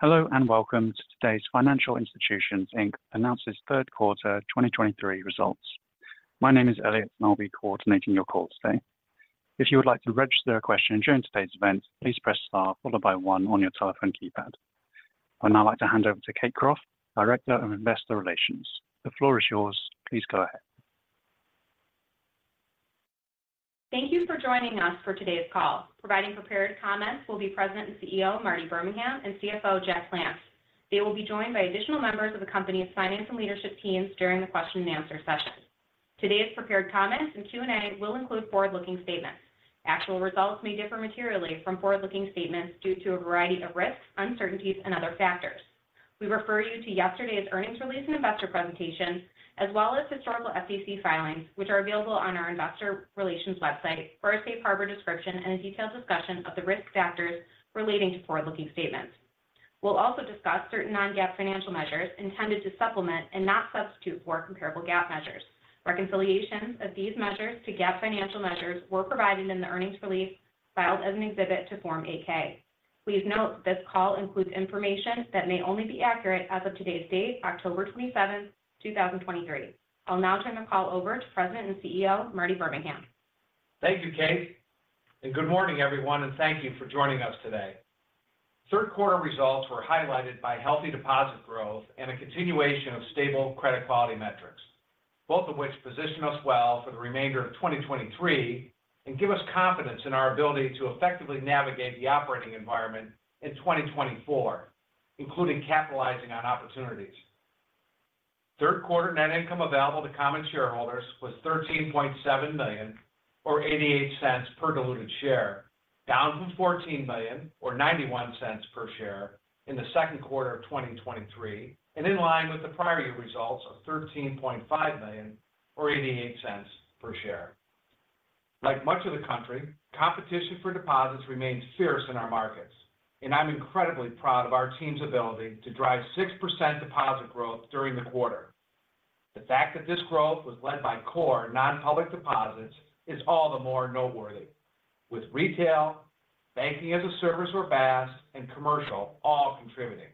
Hello, and welcome to today's Financial Institutions, Inc. announces Q3 2023 results. My name is Elliot, and I'll be coordinating your call today. If you would like to register a question during today's event, please press Star, followed by one on your telephone keypad. I'd now like to hand over to Kate Croft, Director of Investor Relations. The floor is yours. Please go ahead. Thank you for joining us for today's call. Providing prepared comments will be President and CEO, Marty Birmingham, and CFO, Jack Plants. They will be joined by additional members of the company's finance and leadership teams during the question and answer session. Today's prepared comments and Q&A will include forward-looking statements. Actual results may differ materially from forward-looking statements due to a variety of risks, uncertainties, and other factors. We refer you to yesterday's earnings release and investor presentation, as well as historical SEC filings, which are available on our investor relations website for a safe harbor description and a detailed discussion of the risk factors relating to forward-looking statements. We'll also discuss certain non-GAAP financial measures intended to supplement and not substitute for comparable GAAP measures. Reconciliations of these measures to GAAP financial measures were provided in the earnings release filed as an exhibit to Form 8-K. Please note, this call includes information that may only be accurate as of today's date, October 27, 2023. I'll now turn the call over to President and CEO, Marty Birmingham. Thank you, Kate, and good morning, everyone, and thank you for joining us today. Q3 results were highlighted by healthy deposit growth and a continuation of stable credit quality metrics. Both of which position us well for the remainder of 2023, and give us confidence in our ability to effectively navigate the operating environment in 2024, including capitalizing on opportunities. Q3 net income available to common shareholders was $13.7 million or $0.88 per diluted share, down from $14 million or $0.91 per share in the Q2 of 2023, and in line with the prior year results of $13.5 million or $0.88 per share. Like much of the country, competition for deposits remains fierce in our markets, and I'm incredibly proud of our team's ability to drive 6% deposit growth during the quarter. The fact that this growth was led by core non-public deposits is all the more noteworthy. With retail, banking as a service or BaaS, and commercial all contributing.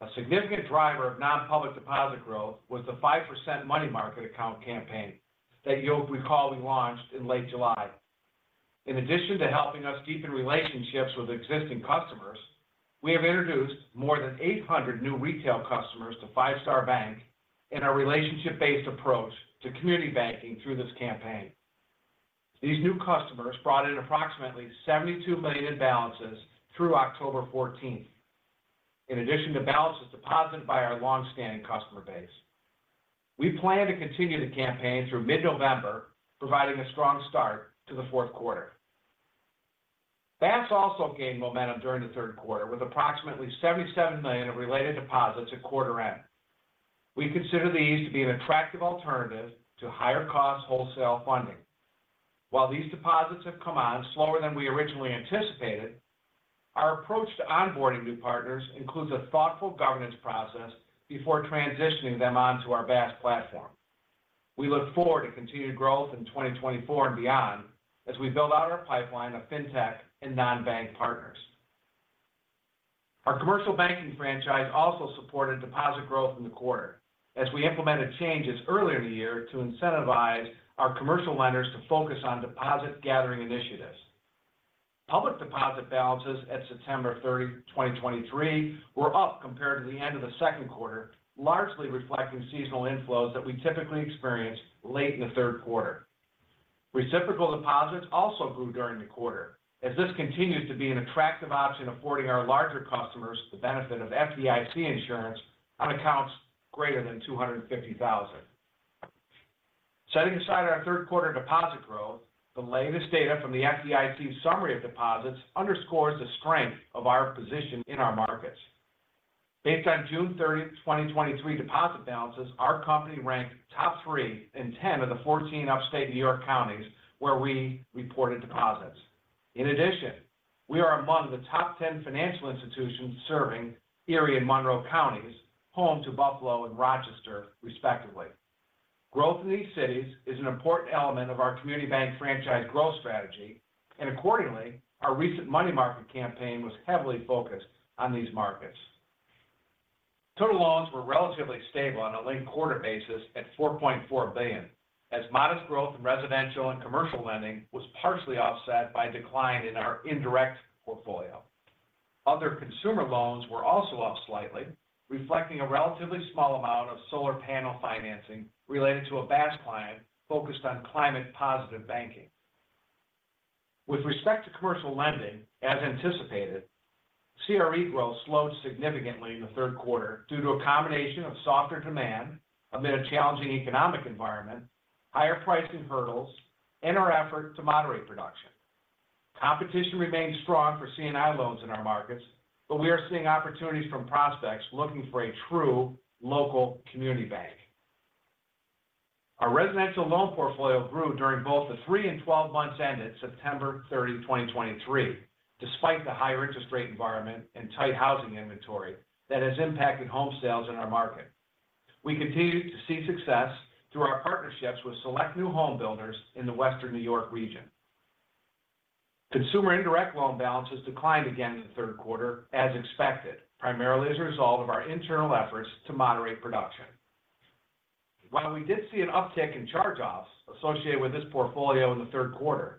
A significant driver of non-public deposit growth was the 5% money market account campaign that you'll recall we launched in late July. In addition to helping us deepen relationships with existing customers, we have introduced more than 800 new retail customers to Five Star Bank in our relationship-based approach to community banking through this campaign. These new customers brought in approximately $72 million in balances through October fourteenth. In addition to balances deposited by our long-standing customer base. We plan to continue the campaign through mid-November, providing a strong start to the Q4. BaaS also gained momentum during the Q3, with approximately $77 million in related deposits at quarter end. We consider these to be an attractive alternative to higher cost wholesale funding. While these deposits have come on slower than we originally anticipated, our approach to onboarding new partners includes a thoughtful governance process before transitioning them on to our BaaS platform. We look forward to continued growth in 2024 and beyond, as we build out our pipeline of Fintech and non-bank partners. Our commercial banking franchise also supported deposit growth in the quarter as we implemented changes earlier in the year to incentivize our commercial lenders to focus on deposit gathering initiatives. Public deposit balances at September 30, 2023, were up compared to the end of the Q2, largely reflecting seasonal inflows that we typically experience late in the Q3. Reciprocal deposits also grew during the quarter, as this continues to be an attractive option, affording our larger customers the benefit of FDIC insurance on accounts greater than $250,000. Setting aside our Q3 deposit growth, the latest data from the FDIC Summary of Deposits underscores the strength of our position in our markets. Based on June 30, 2023 deposit balances, our company ranked top 3 in 10 of the 14 Upstate New York counties where we reported deposits. In addition, we are among the top 10 financial institutions serving Erie and Monroe Counties, home to Buffalo and Rochester, respectively. Growth in these cities is an important element of our community bank franchise growth strategy, and accordingly, our recent money market campaign was heavily focused on these markets. Total loans were relatively stable on a linked quarter basis at $4.4 billion, as modest growth in residential and commercial lending was partially offset by a decline in our indirect portfolio. Other consumer loans were also up slightly, reflecting a relatively small amount of solar panel financing related to a BaaS client focused on climate positive banking. With respect to commercial lending, as anticipated, CRE growth slowed significantly in the Q3 due to a combination of softer demand amid a challenging economic environment, higher pricing hurdles, and our effort to moderate production. Competition remains strong for C&I loans in our markets, but we are seeing opportunities from prospects looking for a true local community bank. Our residential loan portfolio grew during both the three and 12 months ended September 30, 2023, despite the higher interest rate environment and tight housing inventory that has impacted home sales in our market. We continue to see success through our partnerships with select new home builders in the Western New York region.... Consumer indirect loan balances declined again in the Q3 as expected, primarily as a result of our internal efforts to moderate production. While we did see an uptick in charge-offs associated with this portfolio in the Q3,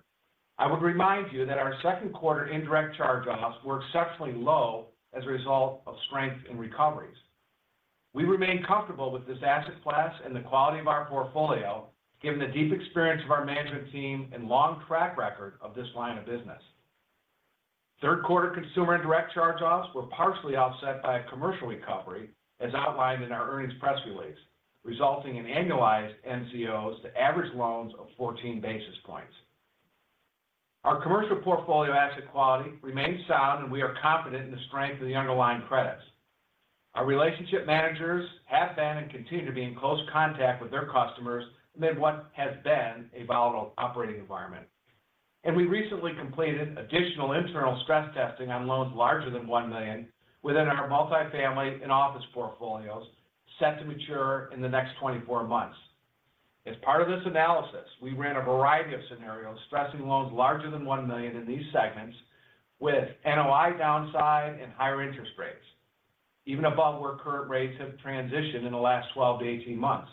I would remind you that our Q2 indirect charge-offs were exceptionally low as a result of strength in recoveries. We remain comfortable with this asset class and the quality of our portfolio, given the deep experience of our management team and long track record of this line of business. Q3 consumer and direct charge-offs were partially offset by a commercial recovery, as outlined in our earnings press release, resulting in annualized NCOs to average loans of 14 basis points. Our commercial portfolio asset quality remains sound, and we are confident in the strength of the underlying credits. Our relationship managers have been and continue to be in close contact with their customers amid what has been a volatile operating environment. And we recently completed additional internal stress testing on loans larger than $1 million within our multifamily and office portfolios, set to mature in the next 24 months. As part of this analysis, we ran a variety of scenarios, stressing loans larger than $1 million in these segments with NOI downside and higher interest rates, even above where current rates have transitioned in the last 12-18 months.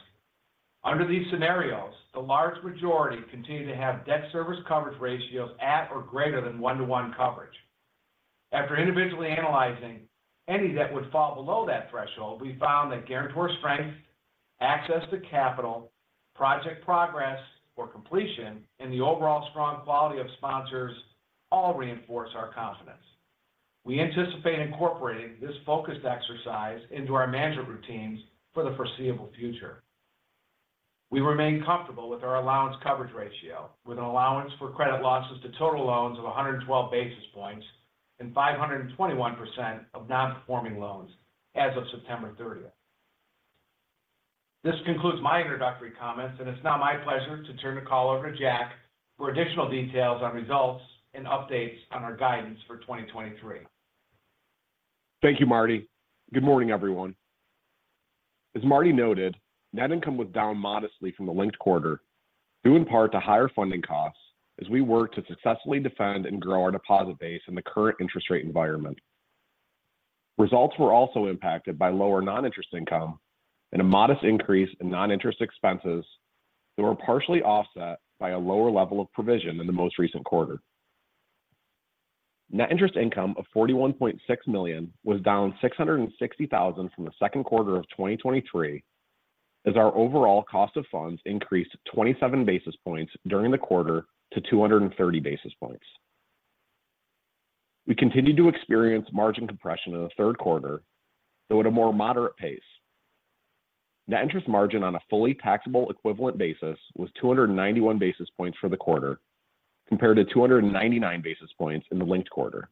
Under these scenarios, the large majority continue to have debt service coverage ratios at or greater than 1:1 coverage. After individually analyzing any that would fall below that threshold, we found that guarantor strength, access to capital, project progress or completion, and the overall strong quality of sponsors all reinforce our confidence. We anticipate incorporating this focused exercise into our management routines for the foreseeable future. We remain comfortable with our allowance coverage ratio, with an allowance for credit losses to total loans of 112 basis points and 521% of non-performing loans as of September thirtieth. This concludes my introductory comments, and it's now my pleasure to turn the call over to Jack for additional details on results and updates on our guidance for 2023. Thank you, Marty. Good morning, everyone. As Marty noted, net income was down modestly from the linked quarter, due in part to higher funding costs as we work to successfully defend and grow our deposit base in the current interest rate environment. Results were also impacted by lower non-interest income and a modest increase in non-interest expenses that were partially offset by a lower level of provision in the most recent quarter. Net interest income of $41.6 million was down $660,000 from the Q2 of 2023, as our overall cost of funds increased 27 basis points during the quarter to 230 basis points. We continued to experience margin compression in the Q3, though at a more moderate pace. Net interest margin on a fully taxable equivalent basis was 291 basis points for the quarter, compared to 299 basis points in the linked quarter.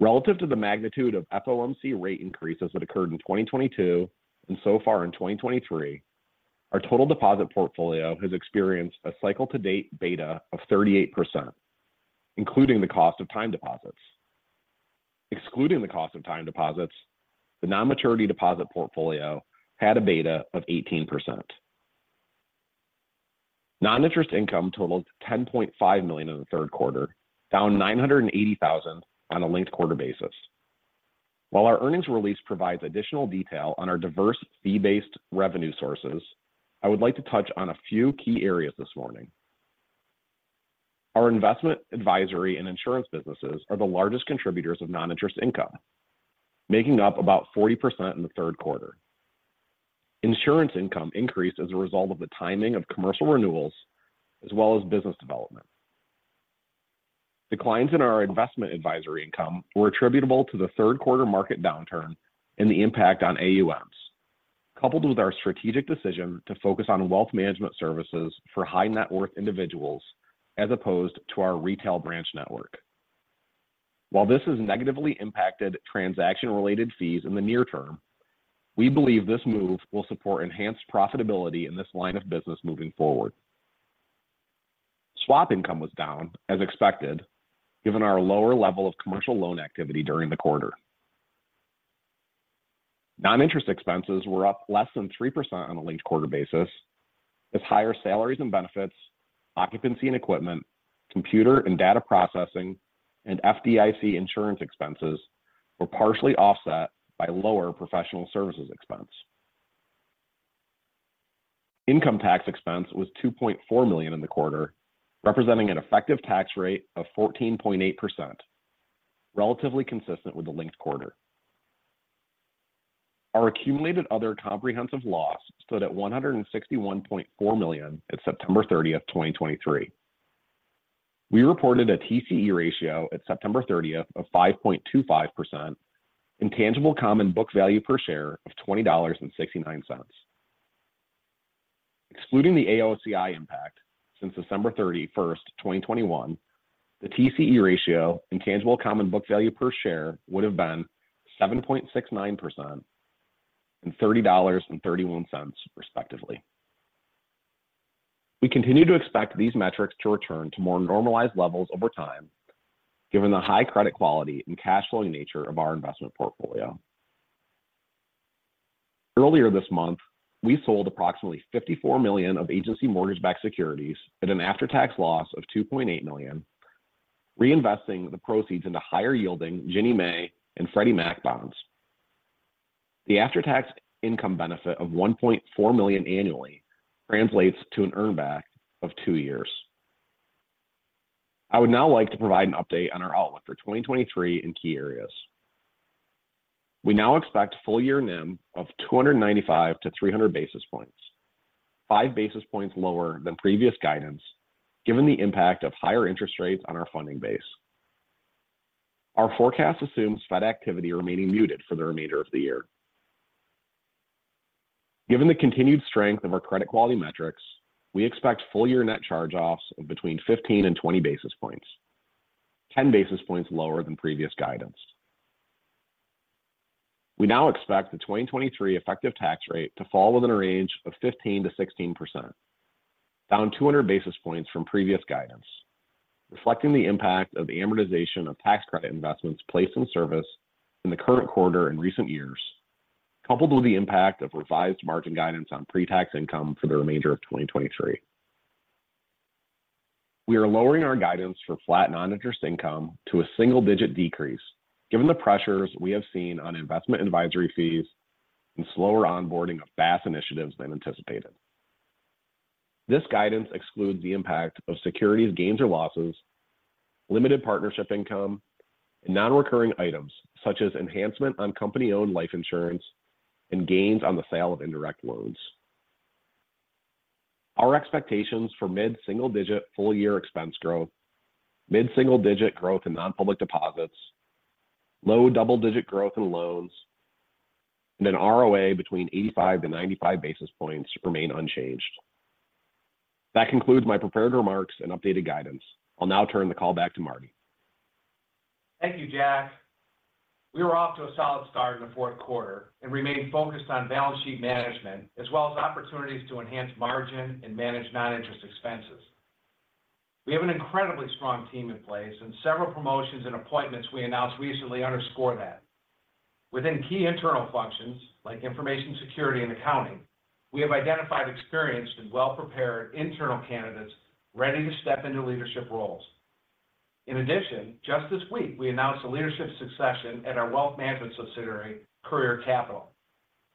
Relative to the magnitude of FOMC rate increases that occurred in 2022 and so far in 2023, our total deposit portfolio has experienced a cycle-to-date beta of 38%, including the cost of time deposits. Excluding the cost of time deposits, the non-maturity deposit portfolio had a beta of 18%. Non-interest income totaled $10.5 million in the Q3, down $980,000 on a linked quarter basis. While our earnings release provides additional detail on our diverse fee-based revenue sources, I would like to touch on a few key areas this morning. Our investment, advisory, and insurance businesses are the largest contributors of non-interest income, making up about 40% in the Q3. Insurance income increased as a result of the timing of commercial renewals as well as business development. Declines in our investment advisory income were attributable to the Q3 market downturn and the impact on AUMs, coupled with our strategic decision to focus on wealth management services for high net worth individuals as opposed to our retail branch network. While this has negatively impacted transaction-related fees in the near term, we believe this move will support enhanced profitability in this line of business moving forward. Swap income was down, as expected, given our lower level of commercial loan activity during the quarter. Non-interest expenses were up less than 3% on a linked quarter basis, as higher salaries and benefits, occupancy and equipment, computer and data processing, and FDIC insurance expenses were partially offset by lower professional services expense. Income tax expense was $2.4 million in the quarter, representing an effective tax rate of 14.8%, relatively consistent with the linked quarter. Our accumulated other comprehensive loss stood at $161.4 million at September 30, 2023. We reported a TCE ratio at September 30 of 5.25% and tangible common book value per share of $20.69. Excluding the AOCI impact since December 31, 2021, the TCE ratio and tangible common book value per share would have been 7.69% and $30.31, respectively. We continue to expect these metrics to return to more normalized levels over time, given the high credit quality and cash flow nature of our investment portfolio. Earlier this month, we sold approximately $54 million of agency mortgage-backed securities at an after-tax loss of $2.8 million, reinvesting the proceeds into higher-yielding Ginnie Mae and Freddie Mac bonds. The after-tax income benefit of $1.4 million annually translates to an earn back of two years. I would now like to provide an update on our outlook for 2023 in key areas. We now expect full year NIM of 295-300 basis points, 5 basis points lower than previous guidance, given the impact of higher interest rates on our funding base. Our forecast assumes Fed activity remaining muted for the remainder of the year. Given the continued strength of our credit quality metrics, we expect full year net charge-offs of between 15 and 20 basis points, 10 basis points lower than previous guidance. We now expect the 2023 effective tax rate to fall within a range of 15%-16%, down 200 basis points from previous guidance, reflecting the impact of the amortization of tax credit investments placed in service in the current quarter in recent years, coupled with the impact of revised margin guidance on pre-tax income for the remainder of 2023. We are lowering our guidance for flat non-interest income to a single-digit decrease, given the pressures we have seen on investment advisory fees and slower onboarding of BaaS initiatives than anticipated. This guidance excludes the impact of securities gains or losses, limited partnership income, and non-recurring items such as enhancement on company-owned life insurance and gains on the sale of indirect loans. Our expectations for mid-single digit full-year expense growth, mid-single digit growth in nonpublic deposits, low-double digit growth in loans, and an ROA between 85-95 basis points remain unchanged. That concludes my prepared remarks and updated guidance. I'll now turn the call back to Marty. Thank you, Jack. We were off to a solid start in the Q4 and remain focused on balance sheet management, as well as opportunities to enhance margin and manage non-interest expenses. We have an incredibly strong team in place, and several promotions and appointments we announced recently underscore that. Within key internal functions, like information security and accounting, we have identified experienced and well-prepared internal candidates ready to step into leadership roles. In addition, just this week, we announced a leadership succession at our wealth management subsidiary, Courier Capital.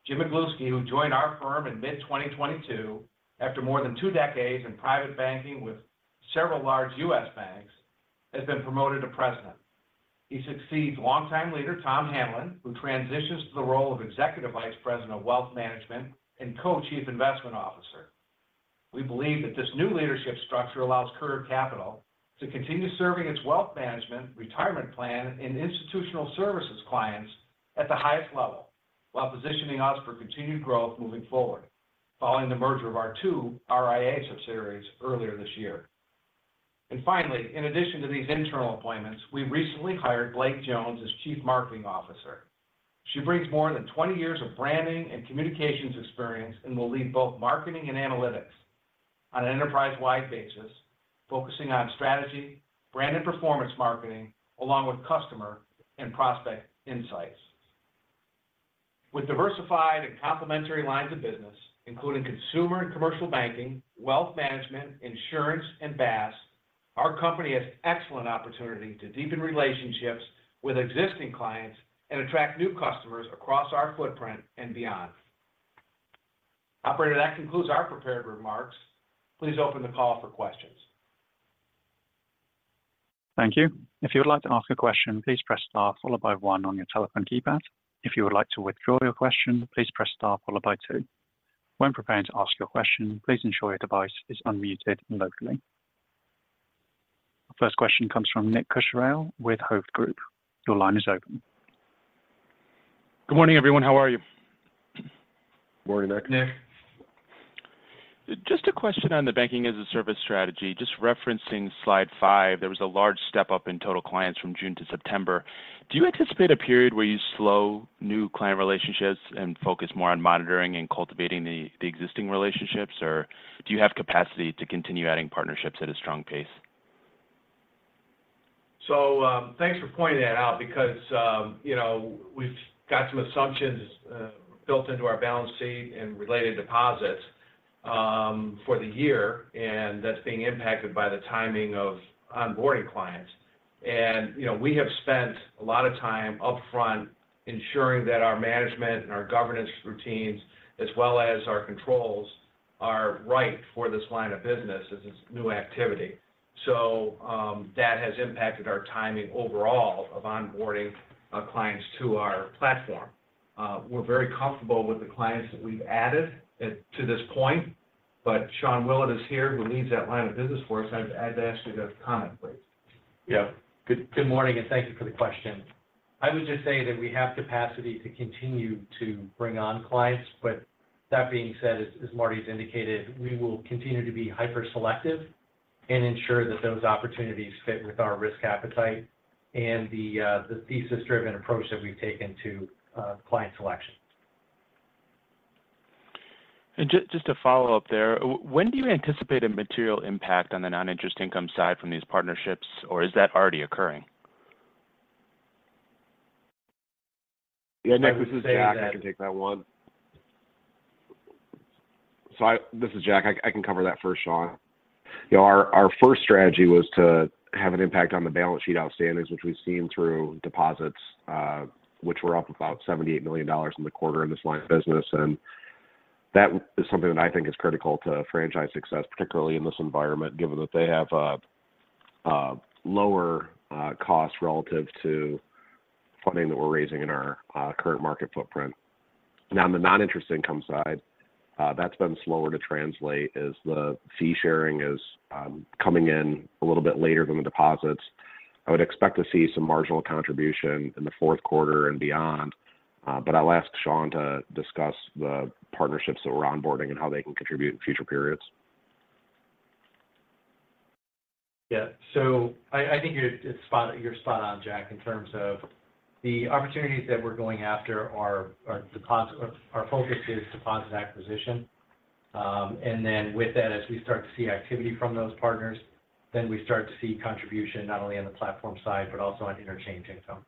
James E. Iglewski, who joined our firm in mid-2022 after more than two decades in private banking with several large U.S. banks, has been promoted to President. He succeeds longtime leader Thomas J. Hanlon, who transitions to the role of Executive Vice President of Wealth Management and Co-Chief Investment Officer. We believe that this new leadership structure allows Courier Capital to continue serving its wealth management, retirement plan, and institutional services clients at the highest level, while positioning us for continued growth moving forward, following the merger of our two RIA subsidiaries earlier this year. And finally, in addition to these internal appointments, we recently hired Blake Jones as Chief Marketing Officer. She brings more than 20 years of branding and communications experience and will lead both marketing and analytics on an enterprise-wide basis, focusing on strategy, brand and performance marketing, along with customer and prospect insights. With diversified and complementary lines of business, including consumer and commercial banking, wealth management, insurance, and BaaS, our company has excellent opportunity to deepen relationships with existing clients and attract new customers across our footprint and beyond. Operator, that concludes our prepared remarks. Please open the call for questions. Thank you. If you would like to ask a question, please press star followed by one on your telephone keypad. If you would like to withdraw your question, please press star followed by two. When preparing to ask your question, please ensure your device is unmuted locally. First question comes from Nick Cusimano with Hovde Group. Your line is open. Good morning, everyone. How are you? Morning, Nick. Nick. Just a question on the banking-as-a-service strategy. Just referencing slide five, there was a large step up in total clients from June to September. Do you anticipate a period where you slow new client relationships and focus more on monitoring and cultivating the existing relationships? Or do you have capacity to continue adding partnerships at a strong pace? So, thanks for pointing that out because, you know, we've got some assumptions built into our balance sheet and related deposits for the year, and that's being impacted by the timing of onboarding clients. And, you know, we have spent a lot of time upfront ensuring that our management and our governance routines, as well as our controls, are right for this line of business as it's new activity. So, that has impacted our timing overall of onboarding clients to our platform. We're very comfortable with the clients that we've added to this point, but Sean Willett is here, who leads that line of business for us. I'd ask you to comment, please. Yeah. Good morning, and thank you for the question. I would just say that we have capacity to continue to bring on clients, but that being said, as Marty's indicated, we will continue to be hyper-selective and ensure that those opportunities fit with our risk appetite and the thesis-driven approach that we've taken to client selection. Just to follow up there, when do you anticipate a material impact on the non-interest income side from these partnerships, or is that already occurring?... Yeah, Nick, this is Jack. I can take that one. This is Jack. I can cover that for Sean. You know, our first strategy was to have an impact on the balance sheet outstandings, which we've seen through deposits, which were up about $78 million in the quarter in this line of business. And that is something that I think is critical to franchise success, particularly in this environment, given that they have a lower cost relative to funding that we're raising in our current market footprint. Now, on the non-interest income side, that's been slower to translate as the fee sharing is coming in a little bit later than the deposits. I would expect to see some marginal contribution in the Q4 and beyond. I'll ask Sean to discuss the partnerships that we're onboarding and how they can contribute in future periods. Yeah. So I think you're spot on, Jack, in terms of the opportunities that we're going after are deposit acquisition. And then with that, as we start to see activity from those partners, then we start to see contribution not only on the platform side, but also on interchange income.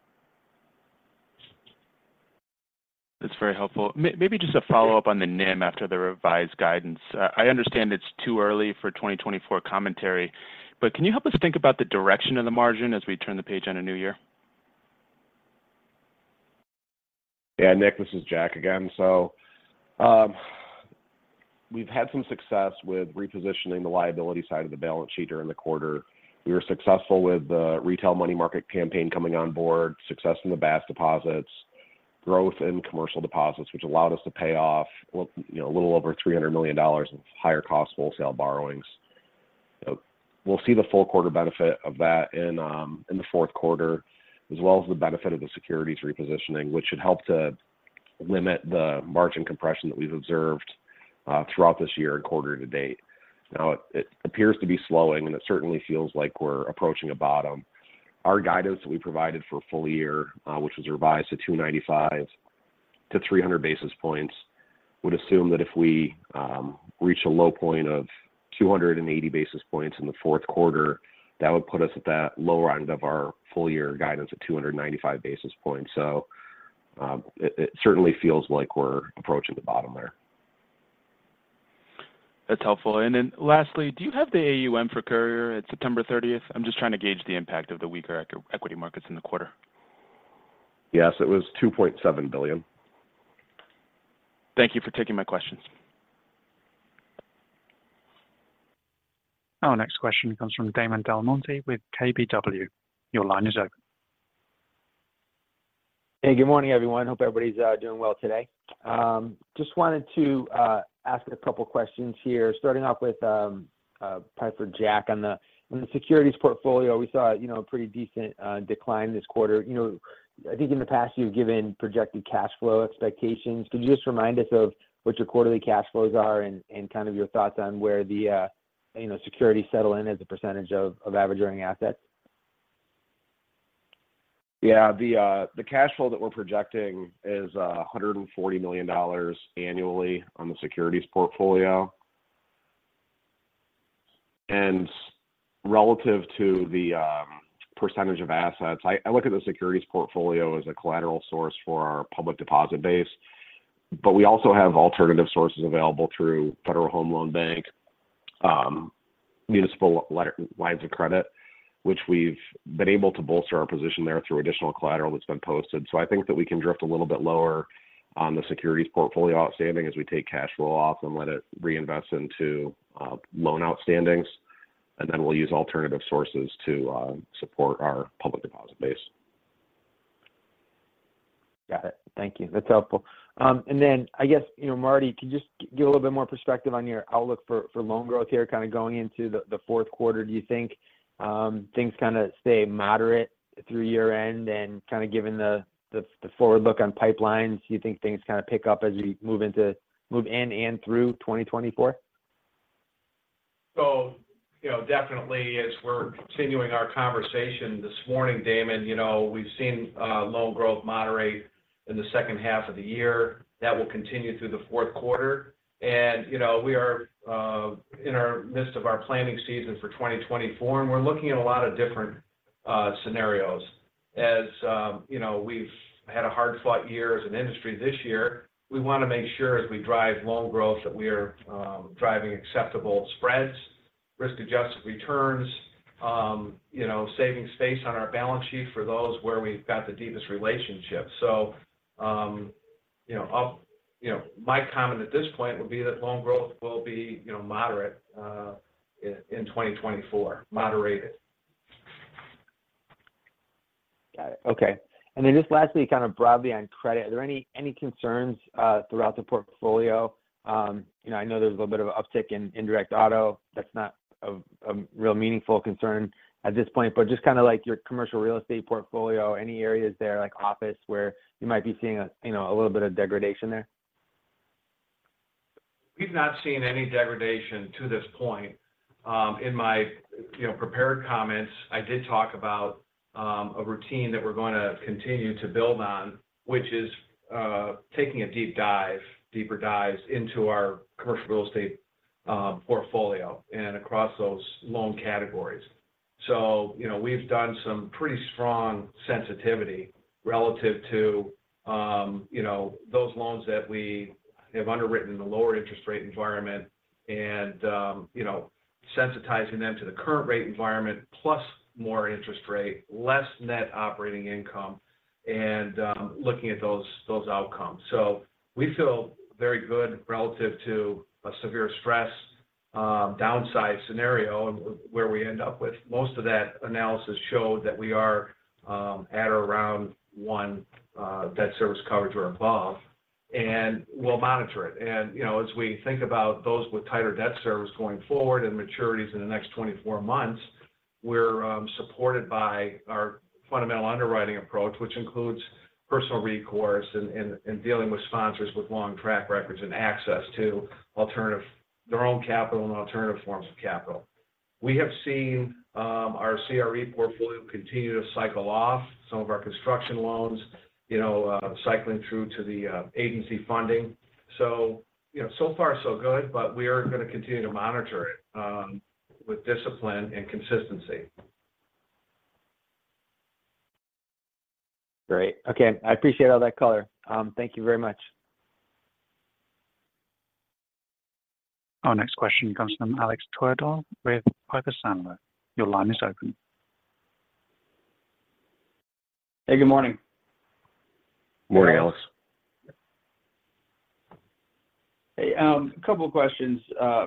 That's very helpful. Maybe just a follow-up on the NIM after the revised guidance. I understand it's too early for 2024 commentary, but can you help us think about the direction of the margin as we turn the page on a new year? Yeah, Nick, this is Jack again. So, we've had some success with repositioning the liability side of the balance sheet during the quarter. We were successful with the retail money market campaign coming on board, success in the BaaS deposits, growth in commercial deposits, which allowed us to pay off, well, you know, a little over $300 million in higher-cost wholesale borrowings. We'll see the full quarter benefit of that in the Q4, as well as the benefit of the securities repositioning, which should help to limit the margin compression that we've observed throughout this year and quarter to date. Now, it appears to be slowing, and it certainly feels like we're approaching a bottom. Our guidance that we provided for full year, which was revised to 295-300 basis points, would assume that if we reach a low point of 280 basis points in the Q4, that would put us at that lower end of our full year guidance of 295 basis points. So, it, it certainly feels like we're approaching the bottom there. That's helpful. And then lastly, do you have the AUM for Courier at September thirtieth? I'm just trying to gauge the impact of the weaker equity markets in the quarter. Yes, it was $2.7 billion. Thank you for taking my questions. Our next question comes from Damon Del Monte with KBW. Your line is open. Hey, good morning, everyone. Hope everybody's doing well today. Just wanted to ask a couple of questions here, starting off with probably for Jack. On the securities portfolio, we saw, you know, a pretty decent decline this quarter. You know, I think in the past, you've given projected cash flow expectations. Could you just remind us of what your quarterly cash flows are and kind of your thoughts on where the, you know, security settle in as a percentage of average earning assets? Yeah. The cash flow that we're projecting is $140 million annually on the securities portfolio. Relative to the percentage of assets, I look at the securities portfolio as a collateral source for our public deposit base, but we also have alternative sources available through Federal Home Loan Bank, municipal letters of credit, which we've been able to bolster our position there through additional collateral that's been posted. So I think that we can drift a little bit lower on the securities portfolio outstanding as we take cash flow off and let it reinvest into loan outstandings, and then we'll use alternative sources to support our public deposit base. Got it. Thank you. That's helpful. And then I guess, you know, Marty, can you just give a little bit more perspective on your outlook for loan growth here, kind of going into the Q4? Do you think things kinda stay moderate through year-end? And kind of given the forward look on pipelines, do you think things kind of pick up as we move into and through 2024? So, you know, definitely, as we're continuing our conversation this morning, Damon, you know, we've seen loan growth moderate in the second half of the year. That will continue through the Q4. And, you know, we are in our midst of our planning season for 2024, and we're looking at a lot of different scenarios. As, you know, we've had a hard-fought year as an industry this year, we want to make sure as we drive loan growth, that we are driving acceptable spreads, risk-adjusted returns, you know, saving space on our balance sheet for those where we've got the deepest relationships. So, you know, my comment at this point would be that loan growth will be, you know, moderate in 2024. Moderated. Got it. Okay. And then just lastly, kind of broadly on credit, are there any concerns throughout the portfolio? You know, I know there's a little bit of an uptick in indirect auto. That's not a real meaningful concern at this point, but just kind of like your commercial real estate portfolio, any areas there, like office, where you might be seeing a little bit of degradation there? We've not seen any degradation to this point. In my, you know, prepared comments, I did talk about a routine that we're going to continue to build on, which is taking a deep dive, deeper dives into our commercial real estate portfolio and across those loan categories. So, you know, we've done some pretty strong sensitivity relative to, you know, those loans that we have underwritten in the lower interest rate environment and, you know, sensitizing them to the current rate environment, plus more interest rate, less net operating income, and looking at those, those outcomes. So we feel very good relative to a severe stress downside scenario where we end up with. Most of that analysis showed that we are at or around one debt service coverage or above, and we'll monitor it. You know, as we think about those with tighter debt service going forward and maturities in the next 24 months, we're supported by our fundamental underwriting approach, which includes personal recourse and dealing with sponsors with long track records and access to alternative—their own capital and alternative forms of capital. We have seen our CRE portfolio continue to cycle off some of our construction loans, you know, cycling through to the agency funding. So, you know, so far so good, but we are going to continue to monitor it with discipline and consistency. Great. Okay. I appreciate all that color. Thank you very much. Our next question comes from Alex Twerdahl with Piper Sandler. Your line is open. Hey, good morning. Morning, Alex. Hey, a couple of questions.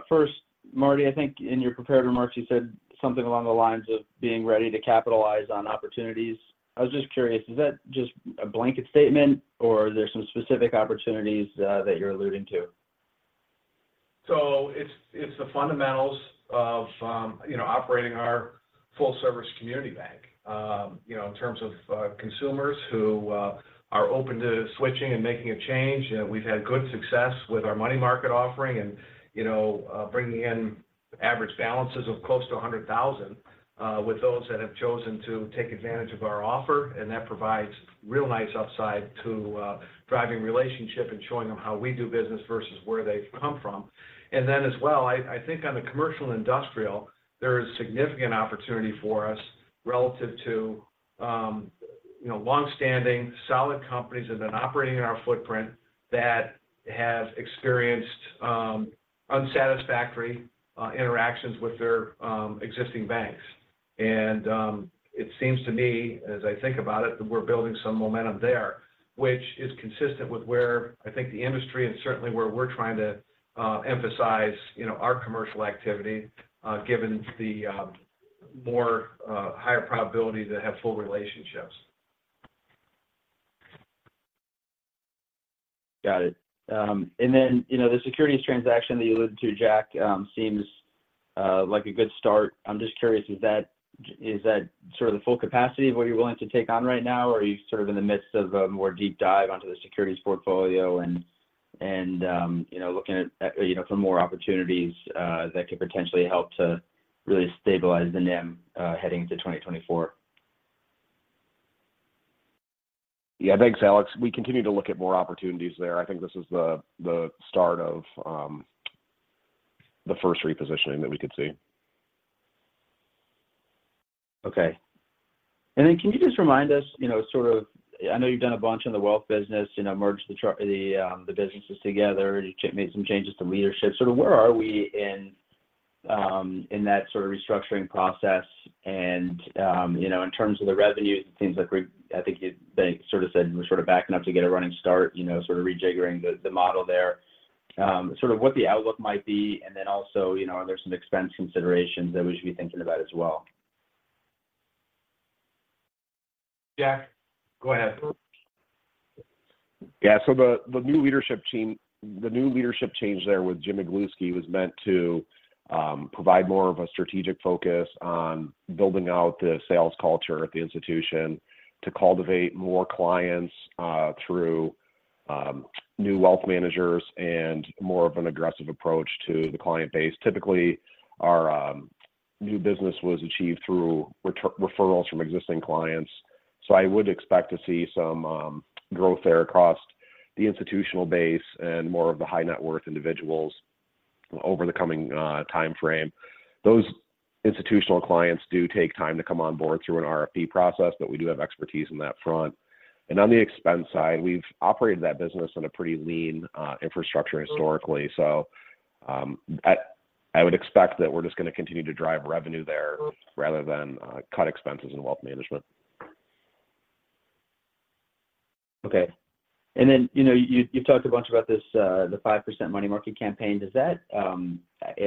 First, Marty, I think in your prepared remarks, you said something along the lines of being ready to capitalize on opportunities. I was just curious, is that just a blanket statement, or are there some specific opportunities that you're alluding to? So it's the fundamentals of, you know, operating our full-service community bank. You know, in terms of consumers who are open to switching and making a change, we've had good success with our money market offering and, you know, bringing in average balances of close to $100,000 with those that have chosen to take advantage of our offer. And that provides real nice upside to driving relationship and showing them how we do business versus where they've come from. And then as well, I think on the commercial industrial, there is significant opportunity for us relative to, you know, long-standing, solid companies that have been operating in our footprint that have experienced unsatisfactory interactions with their existing banks. It seems to me, as I think about it, that we're building some momentum there, which is consistent with where I think the industry and certainly where we're trying to emphasize, you know, our commercial activity, given the more higher probability to have full relationships. Got it. And then, you know, the securities transaction that you alluded to, Jack, seems like a good start. I'm just curious, is that sort of the full capacity of what you're willing to take on right now? Or are you sort of in the midst of a more deep dive onto the securities portfolio and, you know, looking at for more opportunities that could potentially help to really stabilize the NIM heading into 2024? Yeah, thanks, Alex. We continue to look at more opportunities there. I think this is the start of the first repositioning that we could see. Okay. And then can you just remind us, you know, sort of—I know you've done a bunch in the wealth business, you know, merged the businesses together, you made some changes to leadership. Sort of where are we in that sort of restructuring process? And, you know, in terms of the revenues, it seems like we're—I think you, like, sort of said we're sort of backing up to get a running start, you know, sort of rejiggering the model there. Sort of what the outlook might be, and then also, you know, are there some expense considerations that we should be thinking about as well? Jack, go ahead. Yeah, so the new leadership change there with Jim Iglewski was meant to provide more of a strategic focus on building out the sales culture at the institution, to cultivate more clients through new wealth managers and more of an aggressive approach to the client base. Typically, our new business was achieved through referrals from existing clients, so I would expect to see some growth there across the institutional base and more of the high net worth individuals over the coming time frame. Those institutional clients do take time to come on board through an RFP process, but we do have expertise on that front. And on the expense side, we've operated that business on a pretty lean infrastructure historically. I would expect that we're just going to continue to drive revenue there rather than cut expenses in wealth management. Okay. And then, you know, you talked a bunch about this, the 5% money market campaign. Does that-- I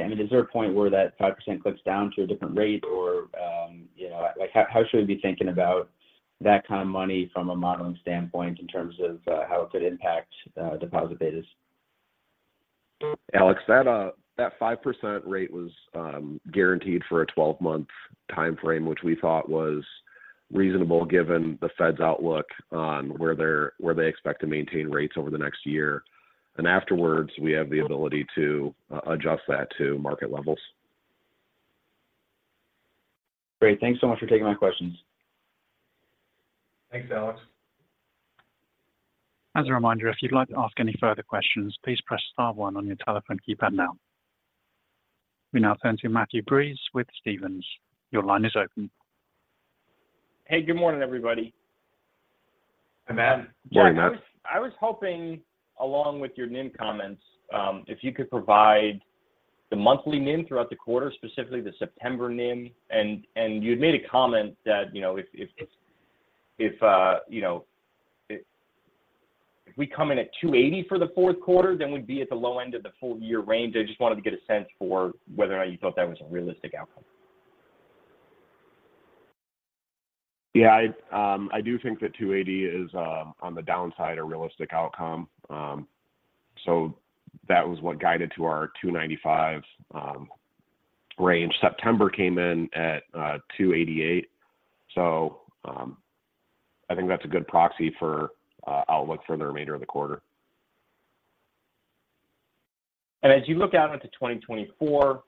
mean, is there a point where that 5% clicks down to a different rate or, you know, like, how should we be thinking about that kind of money from a modeling standpoint in terms of, how it could impact, deposit betas? Alex, that 5% rate was guaranteed for a 12-month time frame, which we thought was reasonable, given the Fed's outlook on where they expect to maintain rates over the next year. And afterwards, we have the ability to adjust that to market levels.... Great. Thanks so much for taking my questions. Thanks, Alex. As a reminder, if you'd like to ask any further questions, please press star one on your telephone keypad now. We now turn to Matthew Breese with Stephens. Your line is open. Hey, good morning, everybody. Hi, Matt. Morning, Matt. Jack, I was hoping, along with your NIM comments, if you could provide the monthly NIM throughout the quarter, specifically the September NIM, and you'd made a comment that, you know, if we come in at 280 for the Q4, then we'd be at the low end of the full-year range. I just wanted to get a sense for whether or not you thought that was a realistic outcome. Yeah, I do think that 280 is, on the downside, a realistic outcome. So that was what guided to our 295 range. September came in at 288. So, I think that's a good proxy for outlook for the remainder of the quarter. As you look out into 2024,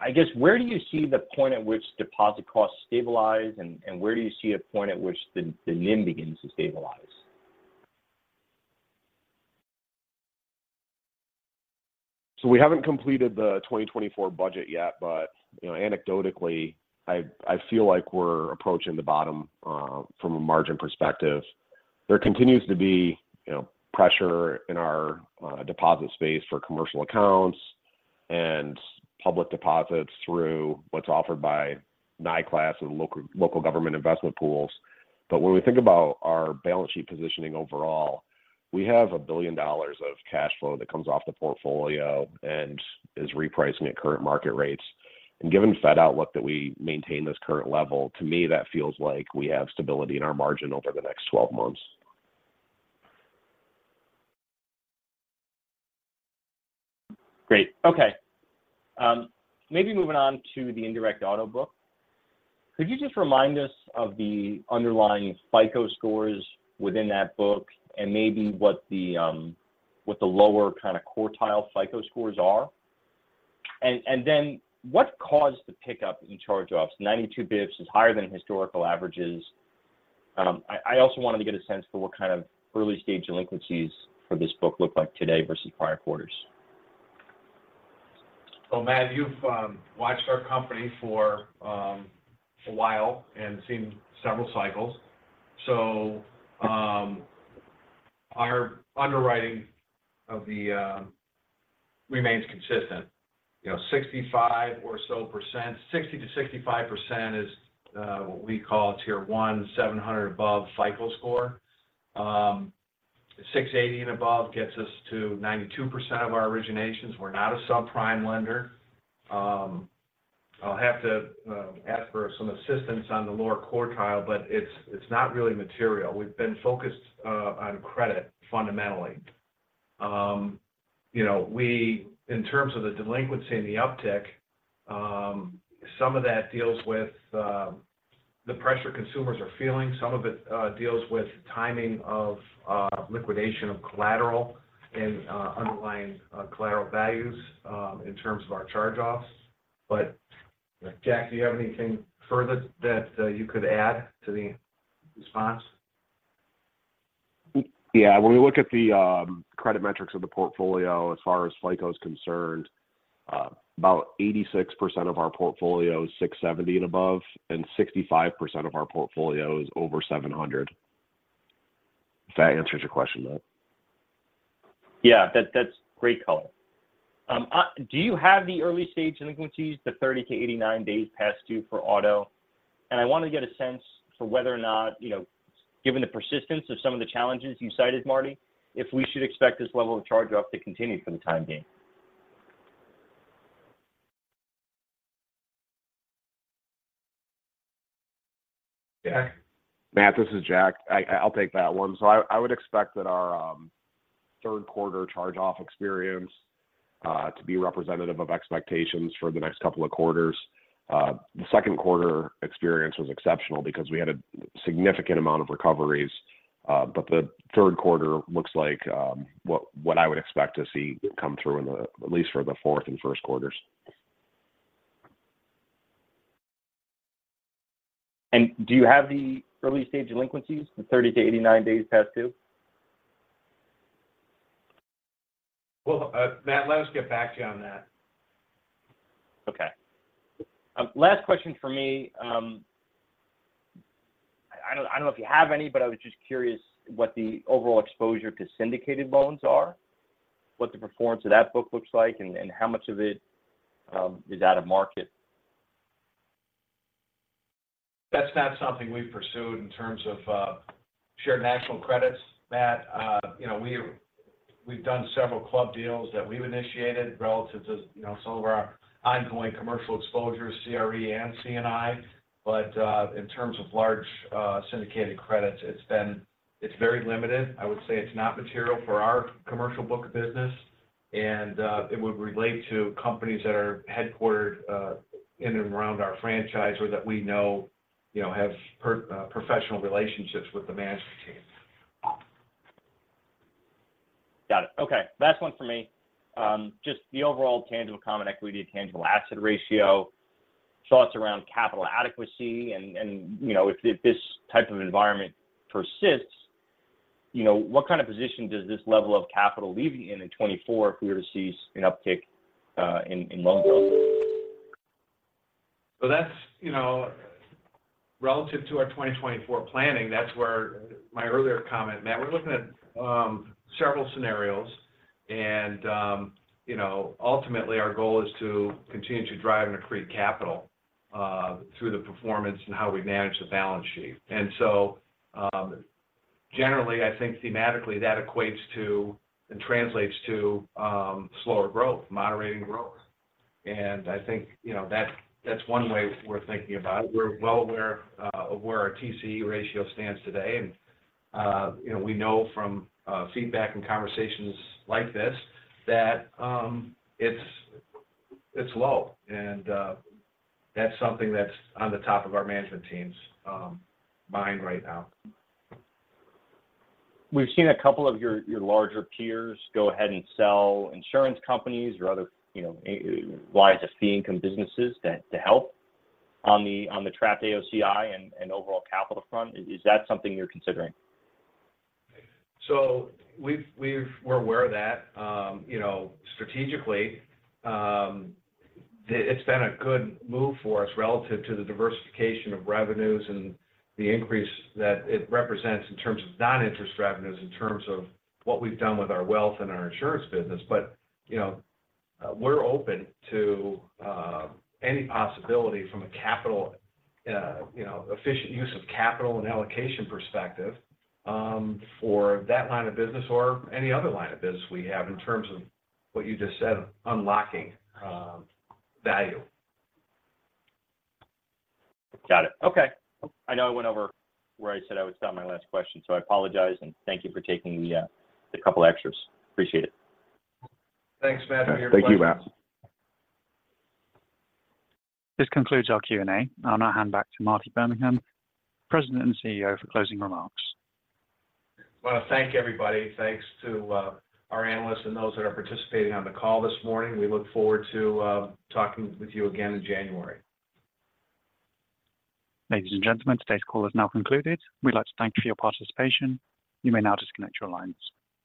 I guess, where do you see the point at which deposit costs stabilize, and, and where do you see a point at which the, the NIM begins to stabilize? So we haven't completed the 2024 budget yet, but, you know, anecdotally, I feel like we're approaching the bottom from a margin perspective. There continues to be, you know, pressure in our deposit space for commercial accounts and public deposits through what's offered by NYCLASS and the local government investment pools. But when we think about our balance sheet positioning overall, we have $1 billion of cash flow that comes off the portfolio and is repricing at current market rates. And given the Fed outlook that we maintain this current level, to me, that feels like we have stability in our margin over the next 12 months. Great. Okay. Maybe moving on to the indirect auto book. Could you just remind us of the underlying FICO scores within that book and maybe what the lower kind of quartile FICO scores are? And then what caused the pickup in charge-offs? 92 basis points is higher than historical averages. I also wanted to get a sense for what kind of early-stage delinquencies for this book look like today versus prior quarters. Well, Matt, you've watched our company for a while and seen several cycles. So, our underwriting of the remains consistent. You know, 65% or so, 60%-65% is what we call Tier One, 700 above FICO score. 680 and above gets us to 92% of our originations. We're not a subprime lender. I'll have to ask for some assistance on the lower quartile, but it's not really material. We've been focused on credit fundamentally. You know, in terms of the delinquency and the uptick, some of that deals with the pressure consumers are feeling. Some of it deals with timing of liquidation of collateral and underlying collateral values in terms of our charge-offs. But Jack, do you have anything further that you could add to the response? Yeah. When we look at the, credit metrics of the portfolio as far as FICO is concerned, about 86% of our portfolio is 670 and above, and 65% of our portfolio is over 700, if that answers your question, Matt. Yeah, that's great color. Do you have the early-stage delinquencies, the 30-89 days past due for auto? I want to get a sense for whether or not, you know, given the persistence of some of the challenges you cited, Marty, if we should expect this level of charge-off to continue for the time being. Jack? Matt, this is Jack. I'll take that one. So I would expect that our Q3 charge-off experience to be representative of expectations for the next couple of quarters. The Q2 experience was exceptional because we had a significant amount of recoveries, but the Q3 looks like what I would expect to see come through in the, at least for the fourth and first quarters. Do you have the early-stage delinquencies, the 30-89 days past due? Well, Matt, let us get back to you on that. Okay. Last question for me. I don't, I don't know if you have any, but I was just curious what the overall exposure to syndicated loans are, what the performance of that book looks like, and, and how much of it is out of market? That's not something we've pursued in terms of shared national credits, Matt. You know, we've done several club deals that we've initiated relative to some of our ongoing commercial exposures, CRE and C&I. But in terms of large syndicated credits, it's been. It's very limited. I would say it's not material for our commercial book of business, and it would relate to companies that are headquartered in and around our franchise or that we know have professional relationships with the management team.... Got it. Okay, last one for me. Just the overall tangible common equity to tangible asset ratio, thoughts around capital adequacy, and you know, if this type of environment persists, you know, what kind of position does this level of capital leave you in in 2024 if we were to see an uptick in loan growth? So that's, you know, relative to our 2024 planning, that's where my earlier comment, Matt, we're looking at several scenarios and, you know, ultimately, our goal is to continue to drive and accrete capital through the performance and how we manage the balance sheet. And so, generally, I think thematically, that equates to and translates to slower growth, moderating growth. And I think, you know, that's one way we're thinking about it. We're well aware of where our TCE ratio stands today, and, you know, we know from feedback and conversations like this, that it's low, and that's something that's on the top of our management team's mind right now. We've seen a couple of your, your larger peers go ahead and sell insurance companies or other, you know, wide fee income businesses to, to help on the, on the trapped AOCI and, and overall capital front. Is, is that something you're considering? So we've, we're aware of that. You know, strategically, it's been a good move for us relative to the diversification of revenues and the increase that it represents in terms of non-interest revenues, in terms of what we've done with our wealth and our insurance business. But, you know, we're open to any possibility from a capital, you know, efficient use of capital and allocation perspective, for that line of business or any other line of business we have in terms of what you just said, unlocking value. Got it. Okay. I know I went over where I said I would stop my last question, so I apologize, and thank you for taking the couple extras. Appreciate it. Thanks, Matt, for your questions. Thank you, Matt. This concludes our Q&A. I'll now hand back to Marty Birmingham, President and CEO, for closing remarks. I want to thank everybody. Thanks to our analysts and those that are participating on the call this morning. We look forward to talking with you again in January. Ladies and gentlemen, today's call is now concluded. We'd like to thank you for your participation. You may now disconnect your lines.